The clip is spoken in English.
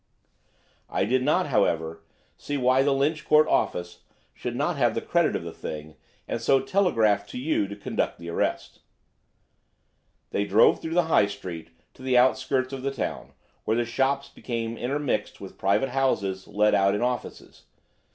I did not, however, see why the Lynch Court office should not have the credit of the thing, and so telegraphed to you to conduct the arrest." They drove through the High Street to the outskirts of the town, where the shops became intermixed with private houses let out in offices.